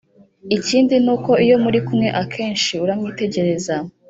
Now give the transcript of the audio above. ikindi nuko iyo murikumwe akenshi uramwitegereza